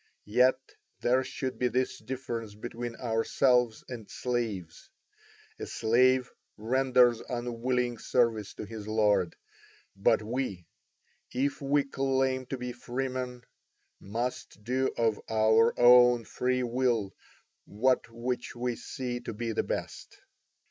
Yet there should be this difference between ourselves and slaves; a slave renders unwilling service to his lord, but we, if we claim to be freemen, must do of our own free will that which we see to be the best.